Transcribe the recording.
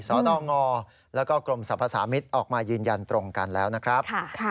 สตงแล้วก็กรมสรรพสามิตรออกมายืนยันตรงกันแล้วนะครับ